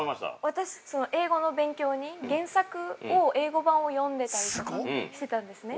◆私、英語の勉強に原作を英語版を読んでたりとかしてたんですね。